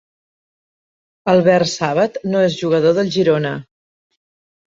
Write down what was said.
Albert Sàbat no és jugador del Girona.